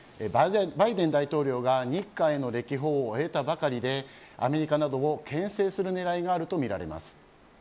バイデン大統領が日韓への歴訪を終えたばかりでアメリカなどをけん制する狙いがあるとみられます。